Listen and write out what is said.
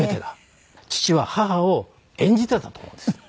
父は母を演じていたと思うんです。